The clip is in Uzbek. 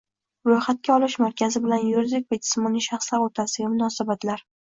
Ro‘yxatga olish markazi bilan yuridik va jismoniy shaxslar o‘rtasidagi munosabatlar